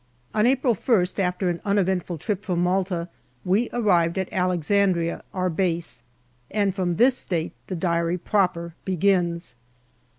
On April ist, after an uneventful trip from Malta, we arrived a^Alexandria, our Base, and from this date the Diary proper begins.